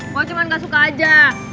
gue cuman gak suka aja